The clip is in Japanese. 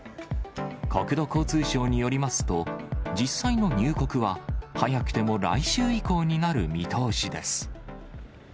国土交通省によりますと、実際の入国は、早くても来週以降になる見通しです。